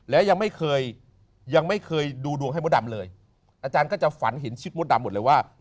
และยังไม่เคยยังไม่เคยดูดวงให้มดดำเลยอาจารย์ก็จะฝันเห็นชิดมดดำหมดเลยว่า